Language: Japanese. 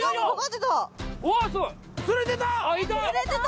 釣れてた！